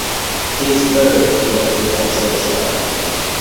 He is buried in Nettlebed Churchyard.